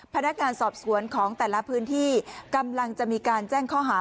พนักงานสอบสวนของแต่ละพื้นที่กำลังจะมีการแจ้งข้อหา